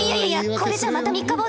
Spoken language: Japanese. これじゃまた三日坊主！